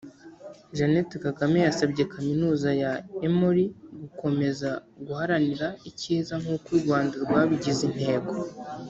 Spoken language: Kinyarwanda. Jeannette Kagame yasabye Kaminuza ya Emory gukomeza guharanira icyiza nk’uko u Rwanda rwabigize intego